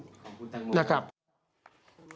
ของคุณตังค์มือ